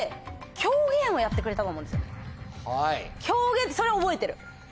狂言ってそれは覚えてる。